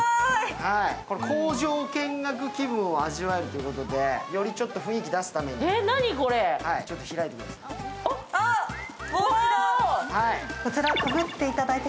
工場見学気分を味わえるということで、より雰囲気を出すために、ちょっと開いてください。